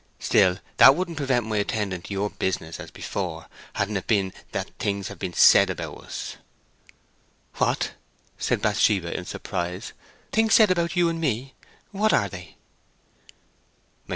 Still, that wouldn't prevent my attending to your business as before, hadn't it been that things have been said about us." "What?" said Bathsheba, in surprise. "Things said about you and me! What are they?"